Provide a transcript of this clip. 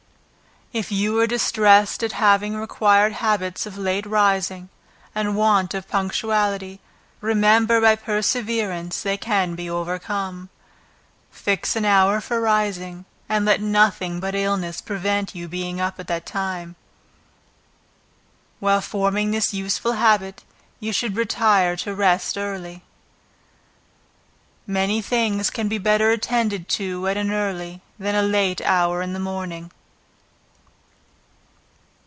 If you are distressed at having acquired habits of late rising, and want of punctuality, remember by perseverance, they can be overcome. Fix an hour for rising, and let nothing but illness prevent your being up at that time. While forming this useful habit, you should retire to rest early. Many things can be better attended to at an early, than a late hour in the morning.